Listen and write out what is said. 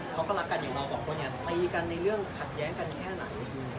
เขาก็รักกันอย่างเราสองคนเนี่ยตีกันในเรื่องขัดแย้งกันแค่ไหน